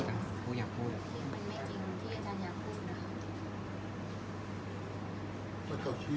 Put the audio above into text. อันไหนที่มันไม่จริงแล้วอาจารย์อยากพูด